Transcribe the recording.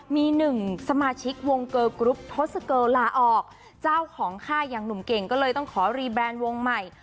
มีหนึ่งสมาชิกวงเกอร์กรุ๊ปทศเกิลลาออกเจ้าของค่ายอย่างหนุ่มเก่งก็เลยต้องขอรีแบรนด์วงใหม่